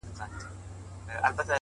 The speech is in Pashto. صبر د ستونزو شور اراموي،